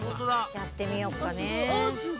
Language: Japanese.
やってみようかね。